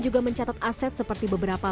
juga mencatat aset seperti beberapa